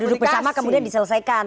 duduk bersama kemudian diselesaikan